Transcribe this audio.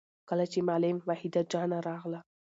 کله چې معلم وحيده جانه راغله